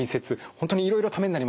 本当にいろいろためになりました。